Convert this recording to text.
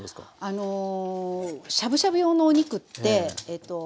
あのしゃぶしゃぶ用のお肉ってえっと